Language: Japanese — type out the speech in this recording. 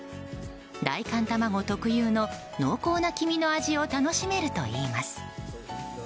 大寒卵特有の濃厚な黄身の味を楽しめるといいます。